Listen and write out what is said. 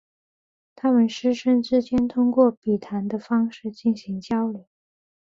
他们师生之间通过笔谈的方式进行交流。